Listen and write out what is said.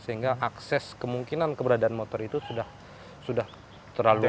sehingga akses kemungkinan keberadaan motor itu sudah terlalu